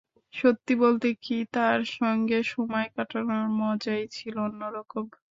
সত্যি বলতে কি, তাঁর সঙ্গে সময় কাটানোর মজাই ছিল অন্য রকম।